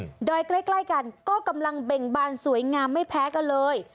ดอยใกล้ใกล้กันก็กำลังเบ่งบานสวยงามไม่แพ้กันเลย